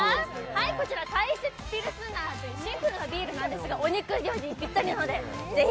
こちら、大雪ピルスナーというシンプルなビールなんですが、お肉料理にぴったりなので、ぜひ。